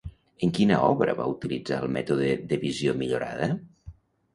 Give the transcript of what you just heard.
En quina obra va utilitzar el mètode de «visió millorada»?